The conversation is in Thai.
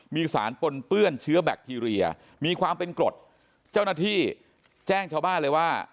มีสารปนเปื้อนเชื้อแบคทีเรียมีความเป็นกรดเจ้าหน้าที่แจ้งชาวบ้านเลยว่า